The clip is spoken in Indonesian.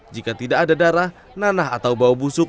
jika tidak ada darah nanah atau bau busuk